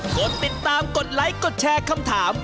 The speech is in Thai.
กดติดตามกดไลค์กดแชร์คำถาม